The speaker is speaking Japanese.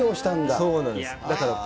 そうなんです。